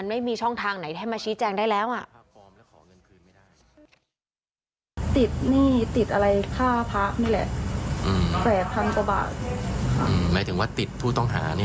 หนูก็ไม่รู้ค่ะพี่คือแบบเหตุการณ์เนี่ยมันเป็นแบบไหนก็หนูยังไม่รู้เลย